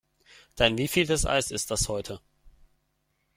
Dein wievieltes Eis ist das heute?